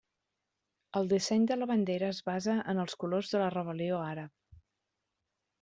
El disseny de la bandera es basa en els colors de la rebel·lió àrab.